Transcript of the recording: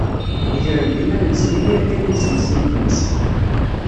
Gren-d iman-nsen imir kan i usensi n tmes.